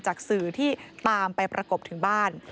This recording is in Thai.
จากสื่อที่ตามไปประกบถึงบ้าน